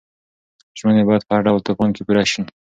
ژمنې باید په هر ډول طوفان کې پوره شي.